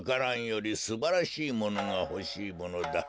蘭よりすばらしいものがほしいものだ。